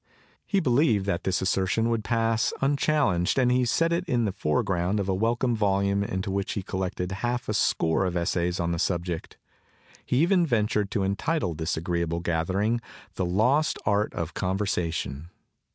He believed that this assertion would pass unchallenged and he set it in the foreground of a welcome volume into which he collected half a score of essays on the subject. He even ventured to entitle this agreeable gathering the 'Lost Art of Conversation.